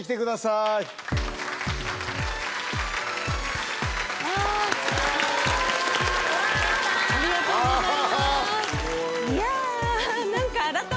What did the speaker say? いやー、ありがとうございます。